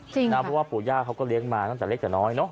เพราะว่าปู่ย่าเขาก็เลี้ยงมาตั้งแต่เล็กแต่น้อยเนาะ